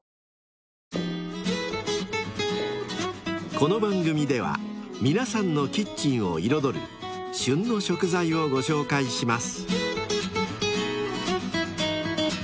［この番組では皆さんのキッチンを彩る「旬の食材」をご紹介します］